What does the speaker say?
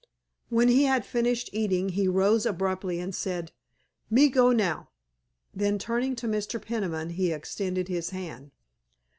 When he had finished eating he rose abruptly and said, "Me go now." Then turning to Mr. Peniman he extended his hand.